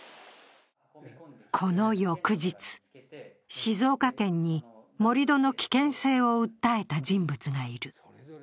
この翌日、静岡県に盛り土の危険性を訴えた人物がいる。